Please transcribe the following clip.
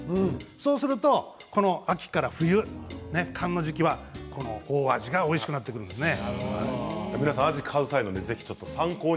そうすると秋から冬からの時期は大きなアジが大きくなっておいしくなってくるんですね。